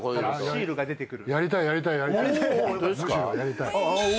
シールが出てくる。